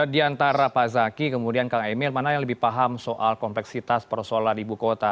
di antara pak zaky kemudian kang emil mana yang lebih paham soal kompleksitas persoalan ibu kota